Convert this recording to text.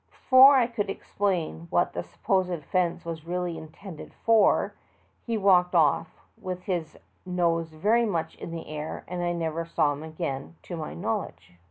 Before I could explain what the supposed fence was really intended for, he walked off with his nose very much in the air, and I never saw him again to my knowledge.